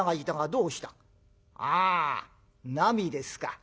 「ああなみですか。